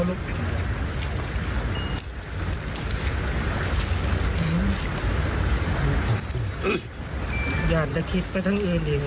มีอันแหละให้บอกเป็นห่วง